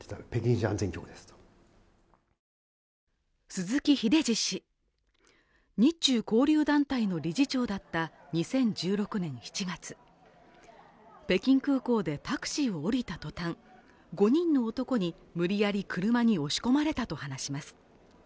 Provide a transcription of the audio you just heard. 鈴木英司氏、日中交流団体の理事長だった２０１６年７月、北京空港でタクシーを降りたとたん、５人の男に無理やり、車に押し込まれたと話します。